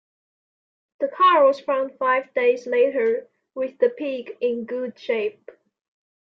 The car was found five days later, with the pig in good shape.